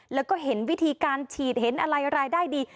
แล้วก็เห็นวิธีการฉีดเห็นอะไรรายได้ดี